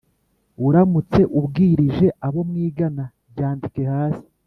uramutse ubwirije abo mwigana Byandike hasi